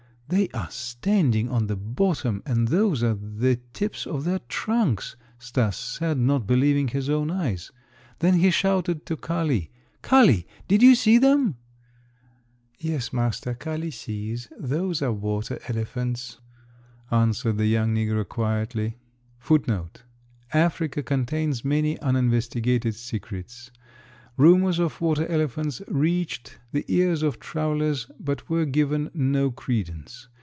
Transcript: "They are standing on the bottom and those are the tips of their trunks," Stas said, not believing his own eyes. Then he shouted to Kali: "Kali, did you see them?" "Yes, master, Kali sees. Those are water elephants,"* [* Africa contains many uninvestigated secrets. Rumors of water elephants reached the ears of travelers but were given no credence.